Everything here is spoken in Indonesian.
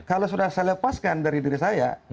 kalau sudah saya lepaskan dari diri saya